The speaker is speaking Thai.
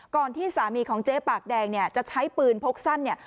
ก่อนที่สามีของเจ๊ปากแดงจะใช้ปืนพกสั้น